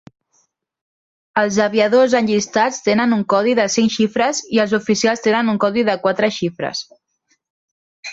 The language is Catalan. Els aviadors enllistats tenen un codi de cinc xifres i els oficials tenen un codi de quatre xifres.